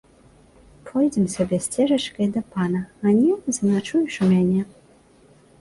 Пойдзем сабе сцежачкай да пана, а не, заначуеш у мяне!